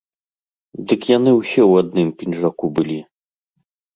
Дык яны ўсе ў адным пінжаку былі!